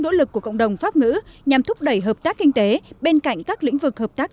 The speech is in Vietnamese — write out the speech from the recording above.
nỗ lực của cộng đồng pháp ngữ nhằm thúc đẩy hợp tác kinh tế bên cạnh các lĩnh vực hợp tác